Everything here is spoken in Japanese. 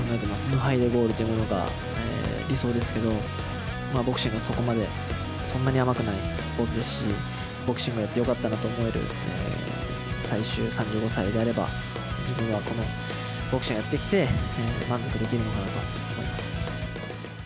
無敗でゴールというものが理想ですけど、まあボクシングは、そこまで、そんなに甘くないスポーツですし、ボクシングをやってよかったなと思える最終３５歳であれば、自分はこのボクシングをやってきて、満足できるのかなと思います。